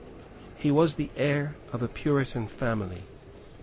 He was the heir of a Puritan family.